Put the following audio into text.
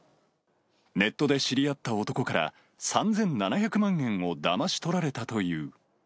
ネットで知り合った男から、３７００万円をだまし取られたという。